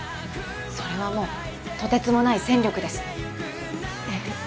それはもうとてつもない戦力ですえっ？